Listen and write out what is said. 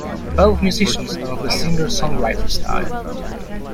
Both musicians are of the singer-songwriter style.